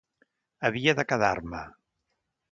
Havia de quedar-me.